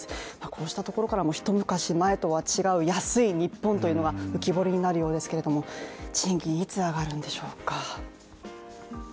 こうしたところからも一昔前とは違う安い日本というものが浮き彫りになるようですが賃金、いつ上がるんでしょうか。